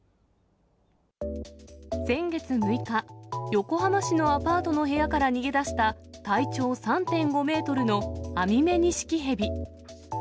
先月６日、横浜市のアパートの部屋から逃げ出した、体長３．５メートルのアミメニシキヘビ。